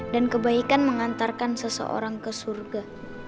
dan kebaikan mengantarkan seseorang ke surga